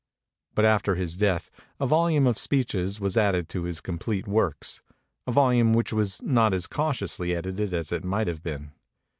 But after his death, a volume of speeches was added to his complete works, a volume which was not as cautiously edited as it might have been.